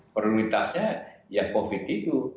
prioritasnya ya covid itu